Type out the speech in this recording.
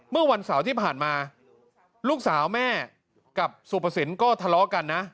เมื่อวันเสาร์ที่ผ่านมาลูกสาวแม่กับสุภสินก็ทะเลาะกันนะ